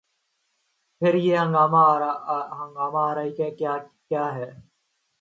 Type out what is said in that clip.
پھر یہ ہنگامہ آرائی کیا ہے؟